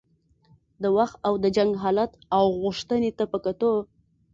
د وخت او د جنګ حالت او غوښتنې ته په کتو.